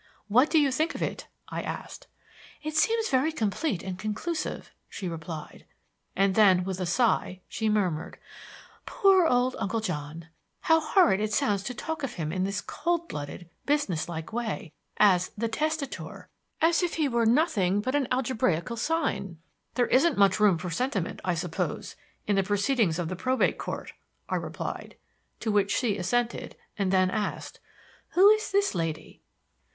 "What do you think of it?" I asked. "It seems very complete and conclusive," she replied. And then, with a sigh, she murmured: "Poor old Uncle John! How horrid it sounds to talk of him in this cold blooded, business like way, as 'the testator,' as if he were nothing but a sort of algebraical sign." "There isn't much room for sentiment, I suppose, in the proceedings of the Probate Court," I replied. To which she assented, and then asked: "Who is this lady?"